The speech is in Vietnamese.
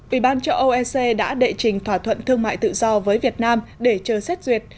ủy ban châu âu ec đã đệ trình thỏa thuận thương mại tự do với việt nam để chờ xét duyệt